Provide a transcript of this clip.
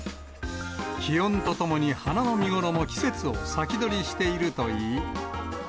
気温とともに花の見頃も季節を先取りしているといい。